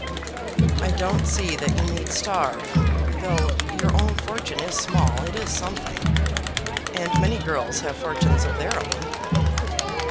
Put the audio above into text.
"I don't see that you need starve. Though your own fortune is small, it is something, and many girls have fortunes of their own."